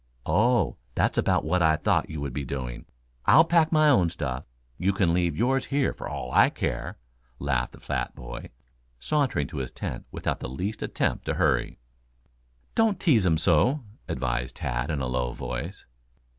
"Oh, that's about what I thought you would be doing. I'll pack my own stuff. You can leave yours here for all I care," laughed the fat boy, sauntering to his tent without the least attempt to hurry. "Don't tease him so," advised Tad in a low voice.